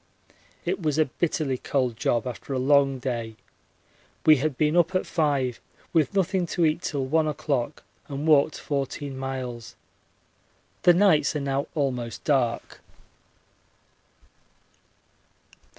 It was a bitterly cold job after a long day. We had been up at 5 with nothing to eat till 1 o'clock, and walked 14 miles. The nights are now almost dark.